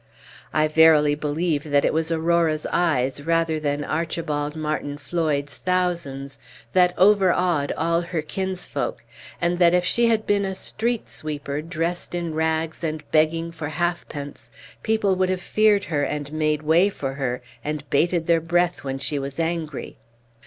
I verily believe that it was Aurora's eyes rather than Archibald Martin Floyd's thousands that overawed all her kinsfolk; and that if she had been a street sweeper dressed in rags and begging for half pence, people would have feared her and made way for her, and bated their breath when she was angry.